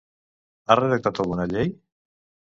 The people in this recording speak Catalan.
Ha redactat alguna llei?